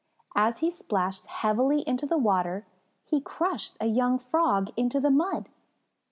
As he splashed heavily into the water, he crushed a young Frog into the mud.